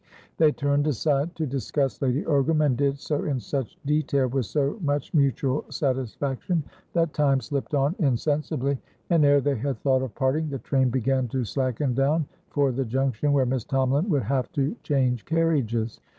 They turned aside to discuss Lady Ogram, and did so in such detail, with so much mutual satisfaction, that time slipped on insensibly, and, ere they had thought of parting, the train began to slacken down for the junction where Miss Tomalin would have to change carriages.